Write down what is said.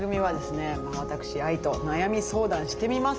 私ＡＩと悩み相談してみませんか？